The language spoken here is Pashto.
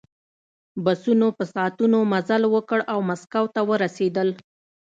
بسونو په ساعتونو مزل وکړ او مسکو ته ورسېدل